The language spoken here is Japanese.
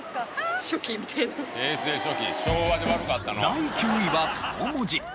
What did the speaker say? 第９位は顔文字。